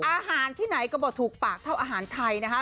อาหารที่ไหนก็บอกถูกปากเท่าอาหารไทยนะคะ